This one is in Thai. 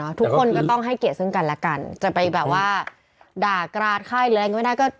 ทุกคนก็ต้องให้เกียรติซึ่งกันและกันจะไปแบบว่าด่ากราดไข้หรืออะไรก็ไม่ได้ก็